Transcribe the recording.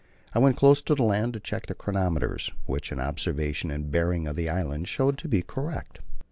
I went close to the land to check the chronometers, which an observation and bearings of the islands showed to be correct.